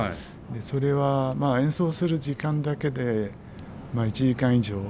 それは演奏する時間だけで１時間以上あるんですけども。